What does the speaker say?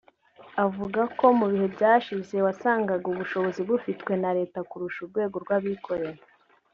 Avuga ko mu bihe byashize wasangaga ubushobozi bufitwe na Leta kurusha urwego rw’abikorera